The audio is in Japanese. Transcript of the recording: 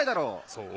そう？